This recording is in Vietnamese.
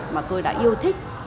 mà tôi đã yêu thích